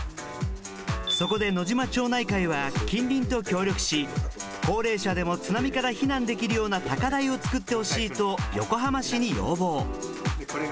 そこで野島町内会は近隣と協力し高齢者でも津波から避難できるような高台を作ってほしいと横浜市に要望。